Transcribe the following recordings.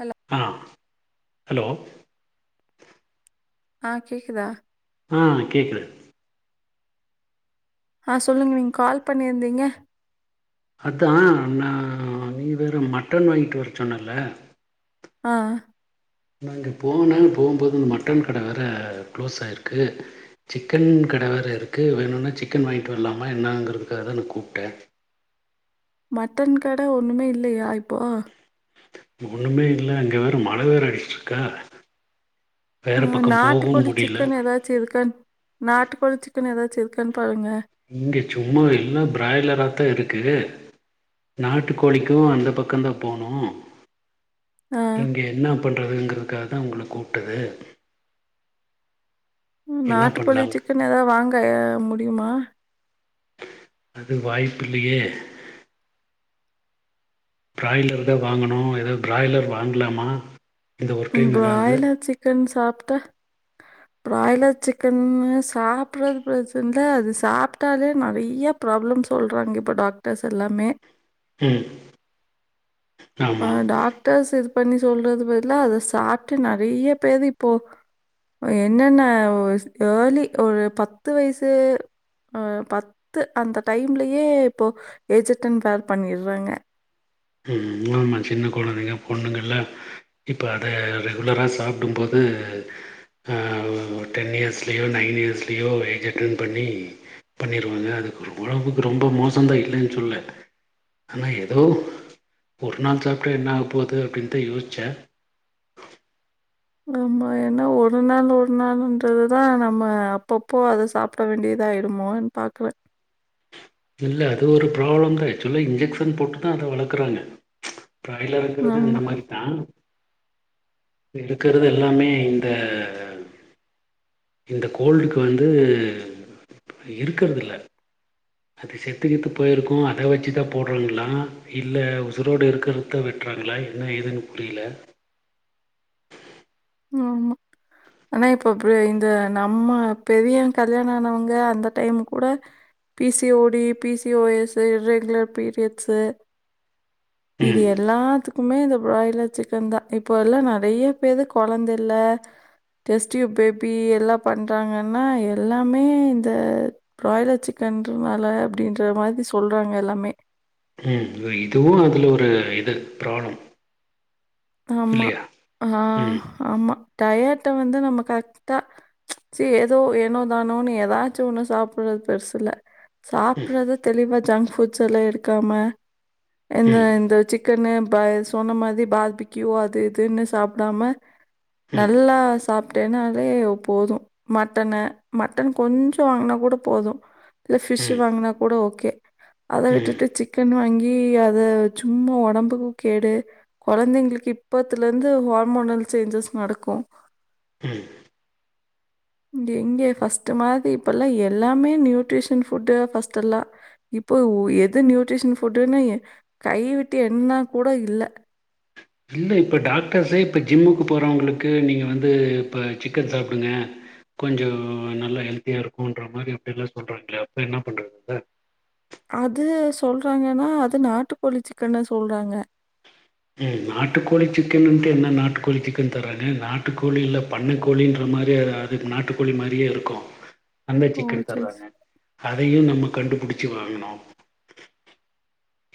Hello ஆ hello ஆ கேக்குதா ஆ கேக்குது ஆ சொல்லுங்க நீங்க கால் பண்ணிருந்தீங்க அதா நா நீ வேற மட்டன் வாங்கிட்டு வரச்சொன்னல்ல ஆ நா இங்க போன போம்போது மட்டன் கட வேற க்ளோஸ் ஆயிருக்கு சிக்கன் கட வேற இருக்கு வேணுனா சிக்கன் வாங்கிட்டு வரலாமா என்னாங்கறதுகாக தா நா கூப்ட்டே மட்டன் கட ஒண்ணுமே இல்லயா இப்போ ஒண்ணுமே இல்ல இங்க வேற மல வேற அடிச்சிட்டு இருக்கா ஆ நாட்டுக்கோழி சிக்கன் எதாச்சி இருக்கான் நாட்டுக்கோழி சிக்கன் ஏதாச் வச்சிருக்கன்னு பாருங்க இங்க சும்மா எல்லா பிராய்லராத்தா இருக்கு நாட்டுக்கோழிக்கு அந்த பக்கோ தா போனோ ஆ இங்க என்ன பண்றதுங்றது க்காக தா உங்கள கூப்டது நாட்டுக்கோழி சிக்கன் எதா வாங்க முடியுமா அது வாய்ப்பு இல்லயே பிராய்லர் தா வாங்கனோ எதாது பிராய்லர் வாங்கலாமா இந்த ஒரு டைம் ஏதாவது ப்ராய்லர் சிக்கன் சாப் ப்ராய்லர் சிக்கன் சாப்ட்றது பிரச்சன இல்ல அது சாப்பிட்டாலே நெறய ப்ராப்ளம் சொல்றாங்க இப்ப டாக்டர்ஸ் எல்லாமே ம் ஆ ஆமா டாக்டர்ஸ் இருப் பண்ணி சொல்றது பதிலா அத சாப்ட்டு நெறய பேரு இப்போ என்னென்ன எர்லி ஒரு பத்து வயசு பத்து அந்த டைம்லயே இப்போ ஏஜெட்டன் பேர் பண்ணிட்றாங்க ம் ஆமா சின்ன கொலைந்தைங்க பொண்ணுங்கெல்லா இப்போ அத ரெகுலரா சாப்டும் போது ஹ டென் இயர்ஸ்லயோ நைன் இயர்ஸ்லயோ ஏஜ் அட்டன் பண்ணி பண்ணிருவாங்க அதுக்கு ஒடம்புக்கு ரொம்ப மோசோ தா இல்லன்னு சொல்ல ஆனா எதோ ஒரு நாள் சாப்பிட்டா என்ன ஆக போது அப்டின்னுதான் யோசிச்சேன் ஆமா ஏனா ஒரு நாள் ஒரு நாள்றதுதான் நம்ம அப்பப்போ அதை சாப்பிட வேண்டியதயிடுமோ பாக்றே இல்ல அது ஒரு ப்ராப்ளம் தான் ஆச்சுவல்ல இன்ஜெக்க்ஷன் போட்டுதான் அத வளக்குறாங்க பாய்லர் இருக்கறது ஆமா, அந்த மாரி தான் இருக்கிறது எல்லாமே இந்த இந்த கோல்டுக்கு வந்து இருக்கறதுல அது செத்துக்கித்து போயிருக்கோ அதை வச்சுதான் போடுறாங்களா இல்ல உசுரோடு இருக்கரத வெட்டுறாங்களா என்ன ஏதுன்னு புரியல ஆ ஆனா இப்ப இந்த நம்ம பெரிய கல்யாணம் ஆனவங்க அந்த டைம் கூட பிசிஓடி பிசிஓஎஸ் இரெகுலர் பீரியட்ஸ் இது ம் எல்லாத்துக்கும் க்குமே இந்த பாய்லர் சிக்கன் தான் இப்போ எல்லாம் நெறய பேருக்கு கொழந்த இல டெஸ்டியூ பேபி எல்லாம் பண்றாங்கன்னா எல்லாமே இந்த பிராய்லர் சிக்கன்னால அப்பிடின்ற மாரி சொல்றாங்க எல்லாமே உஹம் இதுவும் அதுல ஒரு இது பிராப்ளம் ஆமா ஆஹ ஆமா டயட்ட வந்து நம்ம கரெக்டா ச்சுசீ ஏதோ ஏனோ தானோன்னனு ஏதாச்சும் ஒண்ணும் சாப்பிடுறது பெருசுல ம் சாப்பிரத தெளிவ ஜங் ஃபுட்ஸ் எல்லாம் எடுக்காம எந்த ம் எந்த சிக் க்குன்னு சொன்ன மாரி பாபிக்கியூ அது இதுன்னு சாப்பிடாம ம் நல்லா சாப்பிட்டேன்னாலே போதும் மட்டன மட்டன் கொஞ்சம் வாங்குனா கூட போதும் இல்ல ஃபிஷ் ம் வாங்குனா கூட ஓகே அதை ம் விட்டுட்டு சிக்கன் வாங்கி ஏய் அத சும்மா உடம்புக்கும் கேடு கொழந்தைங்களுக்கு இப்பதுல இருந்து ஹார்மோனல் சேஞ்சஸ் நடக்கும் ம் இங்க எங்கே ஃபர்ஸ்ட் மாதி இப்ப எல்லாம் எல்லாமே நியூட்ரிஷன் ஃபுட்டு ஃபர்ஸ்ட் எல்லாம் இப்போ எது நியூட்ரிஷன் ஃபுட்டுன்னு கைவிட்டு என்னா கூட இல்ல இல்ல இப்ப டாக்டர்ஸே இப்ப ஜிம்முக்கு போறவங்களுக்கு நீங்க வந்து இப்ப சிக்கன் சாப்புடுங்க கொஞ்சம் நல்லா ஹெல்தியா இருக்குன்ற மாரி அப்படி எல்லாம் சொல்றாங்கள அப்ப என்ன பண்றது அது சொல்றாங்கன்னா அது நாட்டுக்கோழி சிக்கன்ன சொல்றாங்க உம் நாட்டுக்கோழி சிக்கன்னுட்டு என்ன நாட்டுக்கோழி சிக்கன் தராங்க நாட்டுக்கோழி இல்ல பண்ணைக்கோழின்ற மாரி அது நாட்டுக்கோழி மாரியே இருக்கும் அந்த ஓ! சிக்கன் சரி, தர்றாங்க சரி. அ அதையும் நம்ம கண்டுபுடிச்சு வாங்கனோம்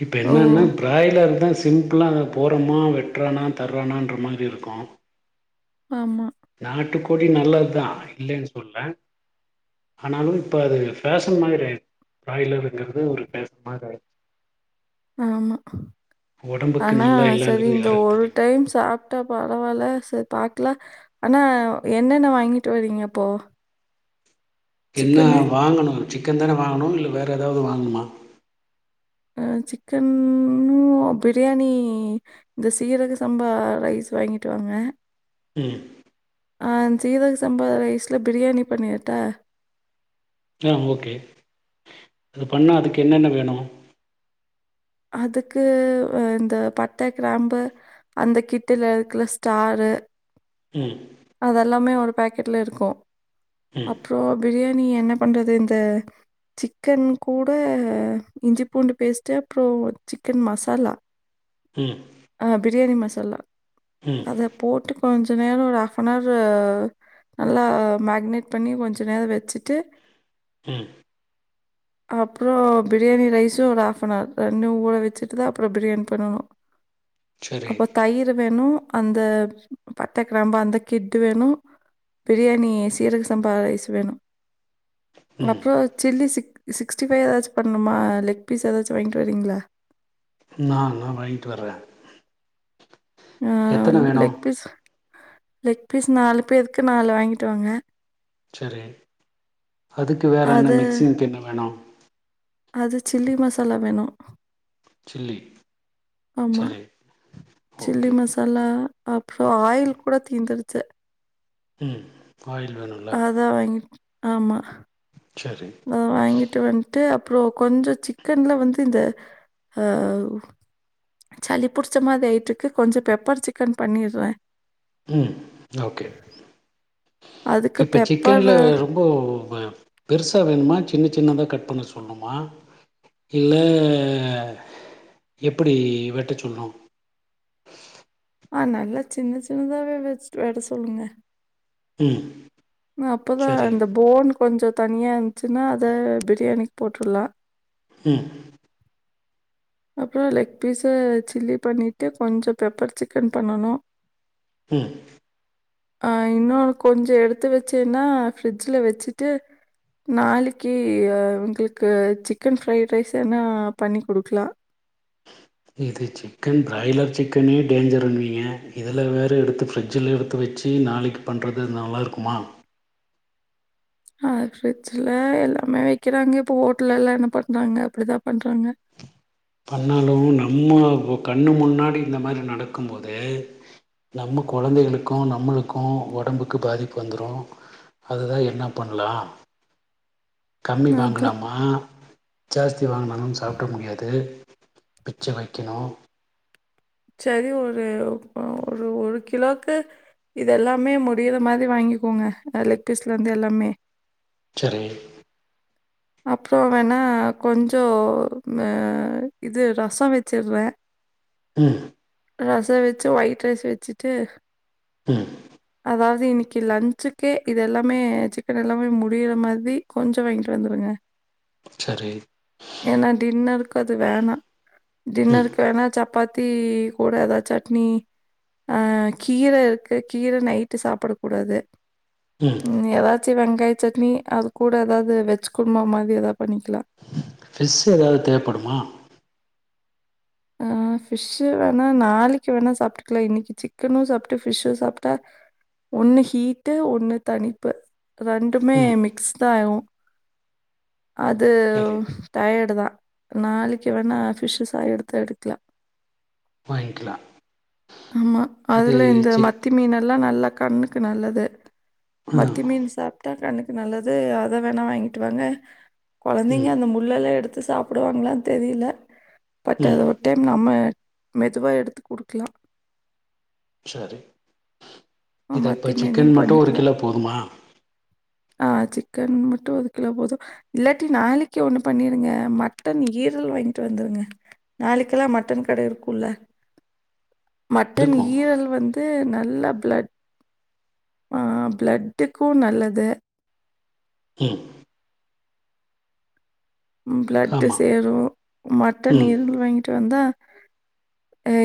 இப்ப ஓ! என்னன்னா பிராய்லர் தான் ஸ் சிம்பிளா அங்க போறோமா வெட்டுறானா தர்றான என்ற மாரி இருக்கோம் ஆமா நாட்டுக்கோழி நல்லது தான் இல்லன்னு சொல்ல ஆனாலும் இப்ப அது பேஃஷன் மாரி ஆயச்ச பிராய்லருங்கறது ஒரு பேஷன் மாரி ஆயிடுச்சு ஆமா ஒடம்புக்கு ஆனா நல்லா சரி இல்லங்கிறது இந்த யாருக்கு ஒரு தெரியும். டைம் சாப்பிட்டா பரவாயில்ல சரி பாக்ல ஆனா என்னென்ன வாங்கிட்டு வரீங்க அப்போ என்ன சிக்கனு? வாங்கணும் சிக்கன் தானே வாங்கணும் இல்ல வேற ஏதாவது வாங்கணுமா சிக்கன்னும் பிரியாணி இந்த சீரக சம்பா ரைஸ் வாங்கிட்டு வாங்க உம் ஆ சீரக சம்பா ரைஸ்ல பிரியாணி பண்ணிறீடா ஆஹ் ஓகே அது பண்ணா அதுக்கு என்னென்ன வேணும் அதுக்கு இந்த பட்டை கிராம்பு அந்த கிட்டல இருக்குல ஸ்டாரு ம் அதெல்லாமே ஒரு பேக்கெட்ல இருக்கோம் ம் அப்பறம் பிரியாண் நீ என்ன பண்றது இந்த சிக்கன் கூட இஞ்சி பூண்டு பேஸ்ட்ப் அப்றோம் சிக்கன் மசாலா ம் ஆஹ் பிரியாணி ம சல்லா ம் அ அத போட்டு கொஞ் கொஞ்ஜ நேரம் ஒரு ஹாஃப் அன் ஹவரு நல்லா மேக்னேட் பண்ணி கொஞ்சநேரம் வச்சுடு ம் அப்புறம் பிரியாணி ரைஸும் ஒரு ஹாஃப் அன் ஹவர் ரெண்டு ஊர வச்சுட்டு தான் அப்புறம் பிரியாணி பண்ணணும் சரி அப்போ தயிர் வேணும் அந்த பட்டை கிராம்பு அந்த கிட்டு வேணும் பிரியாணி சீரக சம்பா ரைஸ் வேணும் ம் அப்போறம் சில்லி சிக் சிக்ஸ்டிஃப்வை எதாச்சு பண்ணுமா லெக் பீஸ் ஏதாச்சும் வாங்கிட்டு சரிங்களா. நான் நான் வாங்கிட்டு வர்ற. ஆஹ லெக் பீஸ். லெக் பீஸ் நாலு பேருக்கு நாலு வாங்கிட்டு வாங்க. சேரி அதுக்கு வேற என்ன அது மிக்சிங்க்கு என்ன வேணு. அது சில்லி மசாலா வேணு. சில்லி. ஆமா சரி சில்லி ஓகே மசாலா. அப்புறோ ஆயில் கூட தீந்துடுச்சு. ம். ஆயில் வேணுல்ல அதான் வாங்கிட். ஆமா. சரி அ வாங்கிட்டு வன்ட்டு. அப்புறோ கொஞ்சம் சிக்கன்ல வந்து இந்த ஆஹ சளி புடிச்ச மாதிரி ஆயிட்டு இருக்கு கொஞ்சம் பெப்பர் சிக்கன் பண்ணிடுற. ம் ஓகே. அதுக்கு இப்ப பெப்பர் சிக்கன்ல ரொம்போமே. பெருசா வேணுமா சின்ன சின்னதா கட் பண்ண சொல்னுமா இல்ல எப்படி வெட்ட சொல்ணும். ஆஹ நல்லா சின்ன சின்னதாவே வச் வெட்ட சொல்லுங்க. உம். அப்பதான் இந்த போன் கொஞ்சோ. தனியா இருந்துச்சுன்னா அத பிரியாணிக்கு போட்டுருலா. ம் அப்புறோ லெக் பீஸ சில்லி பண்ணிட்டு கொஞ்சோ பெப்பர் சிக்கன் பண்ணணு. உம். ஆஹ இன்னொனு கொஞ்சோ எடுத்து வச்சேன்னா ஃபரிட்ஜ்ல வச்சுட்டு நாளைக்கு உங்களுக்கு சிக்கன் ஃப்ரைட் ரைஸ் னா பண்ணி கொடுக்கலா. இது சிக்கன் பிராய்லர் சிக்கனே டேஞ்சர்ன்னுவீங்க இதில வேற எடுத்து ஃப்ரிட்ஜில்ல எடுத்து வச்சு நாளைக்கு பண்ணுறது நல்லா இருக்குமா. அஹ ஃரிட்ஜ்ல எல்லாமே வைக்கிறாங்க இப்ப ஹோட்டல்ல எல்லாம் என்ன பண்றாங்க அப்படிதா பண்றாங்க. பண்ணாலும் நம்ம கண்ணு முன்னாடி இந்த மாதிரி நடக்கும் போது நம்ம குழந்தைகளுக்கும் நம்மளுக்கும் உடம்புக்கு பாதிப்பு வந்துரும் அதுதான் என்ன பண்ணலா. கம்மி அதான் வாங்கலாமா. ஜாஸ்தி வாங்கினாலும் சாப்பிட முடியாது மிச்ச வைக்கணும். சேரி ஒரு ஒரு ஒரு கிலோக்கு இது எல்லாமே முடியிற மாதிரி வாங்கிக்கோங்க லெக் பீஸ்ல இருந்து எல்லாமே. செரி. அப்புறோ வேணா கொஞ்சோ அஹ இது ரசம் வச்சிடுற. உம். ரசம் வச்சு ஒயிட் ரைஸ் வச்சிட்டு. உம். அதாவது இன்னைக்கு லன்சுக்கே இது எல்லாமே சிக்கன் எல்லாமே முடியிற மாதிரி கொஞ்சோ வாங்கிட்டு வந்துரு. ங்க. சரி ஏன்னா டின்னருக்கு அது வேணா. ம் டின்னருக்கு வேணா சப்பாத். பாத்தி கூட ஏதாது சட்னி அஹ கீர இருக்கு கீர நைட்டு சாப்படக் கூடாது. ம் உம் ஏதாச்சு. வெங்காய சட்னி அது கூட ஏதாவது வச்சு குருமா மாரி எதா ஃபிஷ் ஏதாவது தேவைப்படுமா ஆஹ் ஃபிஷ்ஷு வேணா நாளைக்கு வேணா சாப்பிட்டுக்கலாம் இன்னைக்கு சிக்கனும் சாப்பிட்டு ஃபிஷ்ஷும் சாப்பிட்டா ஒண்ணு ஹீட்டு ஒண்ணு தனிப்பு ரெண்டுமே ம் மிக்ஸ்ட் ஆயுடும் அது சரி டயர்டு தான் நாளைக்கி வேணா பிஷ் சா எடுத் துக்கலாம் வாங்கிக்கலாம் ஆமா அதுல இந்த மத்தி மீன் எல்லாம் நல்லா கண்ணுக்கு நல்லது ம் மத்தி மீன் சாப்ட்டா கண்ணுக் நல்லது அதை வேணாம் வாங்கிட்டு வாங்க குழந்தைங்க ம் அந்த முள்ளெல்லாம் எடு த்து சாப்பிடுவாங்களானு தெரியில பட் ம் அது ஒரு டைம் நம்ம மெதுவா எடுத்து குடுக்கலாம் சரி இது மத்தி அப்ப மீன் சிக்கன் மட்டும் ஒரு கிலோ போதுமா ஆஹ் சிக்கன் மட்டும் ஒரு கிலோ போதும் இல்லாட்டி நாளைக்கு ஒண்ணு பண்ணிடுங்க மட்டன் ஈரல் வாங்கிட்டு வந்துருங்க நாளைக்கெல்லாம் மட்டன் கட இருக்கும்ல மட்டன் இருக்கு ஈரல் வந்து நல் ல்ல ப்ளட் ஆஹ் ப்ளட்டுக்கும் நல்லது உம் ப்ளட்டு ஆமா சேரும் மட்டன் ம் எலும்பு வாங்கிட்டு வந்தா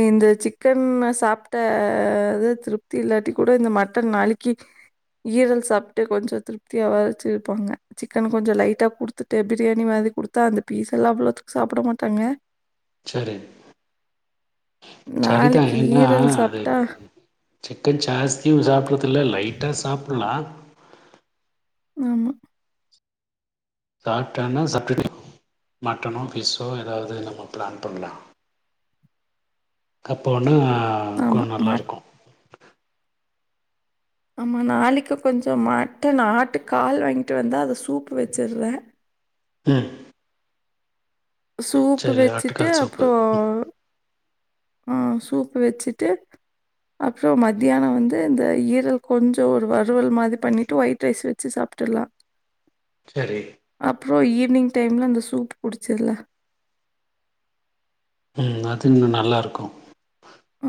இந்த சிக்கன்ன சாப்டது திருப்தி இல்லாட்டி கூட இந்த மட்டன் நாளைக்கி ஈரல் சாப்ட்டு கொஞ்ச திருப்தியாவாச்சு இருப்பாங்க சிக்கன் கொஞ்சம் லைட்டா குடுத்துட்டு பிரியாணி மாதிரி குடுத்தா அந்த பீஸ் எல்லாம் அவ்ளோத்துக்கு சாப்பிட மாட்டாங்க சரி சரி தான் நாளைக்கு ஏன்னா ஈரல் அது சாப்பிட்டா இப்ப சிக்கன் ஜாஸ்தியும் சாப்டது இல்ல லைட்டா சாப்படலாம் ஆமா சாப்டானா சர்டடே மட்டனோ பிஷ்ஷோ ஏதாவது நம்ம பிளான் பண்ணலா அப்போனா ஆஹ் ஆமா. கோம் மட் நல்லாருக்கோம் ஆமா நாளைக்கு கொஞ்சம் மட்டன் ஆட்டு கால் வாங்கிட்டு வந்தா அது சூ சூப்பு வச்சர்றேன் உம் சூப் வச்சிட்டு ஆட்டுக்கால் சூப்பு அப்போ ம் ஆ சூப்பு வச்சுட்டு அப்புற மத்தியான வந்து இந்த ஈரல் கொஞ்ச ஒரு வறுவல் மாதிரி பண்ணிட்டு ஒயிட் ரைஸ் வச்சு சாப்ட்டுலா சரி அப்புற ஈவினிங் டைமில அந்த சூப் குடிச்சிர்லா ம் அது இன்னு நல்லா இருக்கு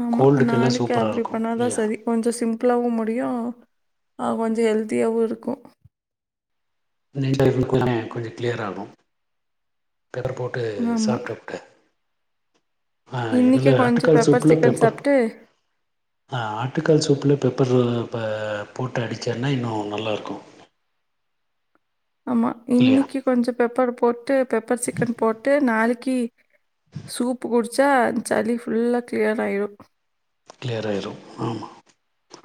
ஆமா நாளைக்கு அப்பிடி பண்ணாதா இல்லையா சரி கொஞ்ச சிம் லாவும் முடியும் கொஞ்சோ ஹெல்தியாவு இருக்கு [unintelligible] கொஞ்சம் கிளியர் ஆகு பெப்பர் போட்டு ஆமா. சாப்டுட்டு ஆ இதில இன்னைக்கு கொஞ்சம் ஆட்டுக்கால் சூப்புல சிக்கன் பெப்பர் சாப்பிட்டு ஆ ஆட்டுக்கால் சூப்புல பெப்பர் இப்ப போட்டு அடிச்சர்ன்னா இன்னு நல்லாயிருக்கு ஆமா இன்னிக்கி கொஞ்ச பெப்பர் போட்டு பெப்பர் சிக்கன் போட்டு நாளைக் க்கி சூப்பு குடுச் ச்சா அ சலி புல்லா கிளியர் ஆயிரு கிளியர ஆாயிரு ஆமா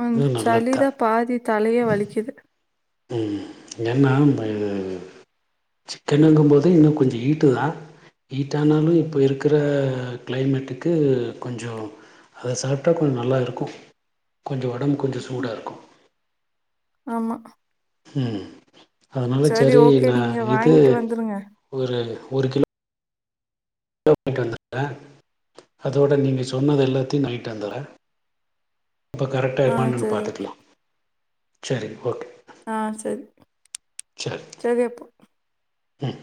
அந்த இது நல்லதுதா சளிதா பாதி தலையே வலிக்குது உம் ஏன்னா சிக்கன்ங்கும்போது இன்னு கொஞ்ச ஹீட்டு தா ஹீட்ட ஆனாலு இப்ப இருக்கிற கிளைமேட்டுக்கு கொஞ்ச அத சாப்டா கொஞ்ச நல்லா இருக்கு கொஞ்ச உடம்பு கொஞ்ச சூடா ம். இருக்கு ஆமா ம் அதனால சரி ஓகே. நீங்க நான் இது வாங்கிட்டு வந்துருங்க. ஒரு ஒரு கிலோ நைட்டு வந்துறேன் அதோட நீங்க சொன்னது எல்லாத்தையும் நைட்டு வந்துறேன் அப்போ ஆ கரெக்டாயிருமா என்ன சரி பார்த்துக்கலாம் சரிங்க ஓகே ஆஹ் சரி சரி அப்போ ம்